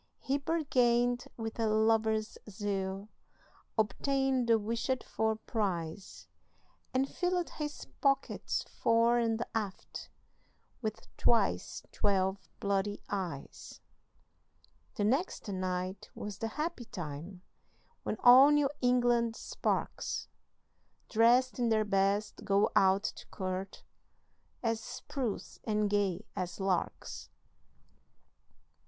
He bargained with a lover's zeal, Obtained the wished for prize, And filled his pockets fore and aft With twice twelve bloody eyes. The next night was the happy time When all New England sparks, Drest in their best, go out to court, As spruce and gay as larks.